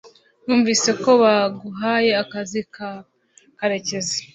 numvise ko baguhaye akazi ka karekezi